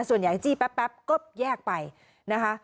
ส่วนใหญ่จี้แป๊บก็แยกไปนะคะ